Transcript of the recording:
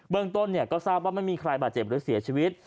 เมืองต้นก็ทราบว่าไม่มีใครบาดเจ็บหรือเสียชีวิต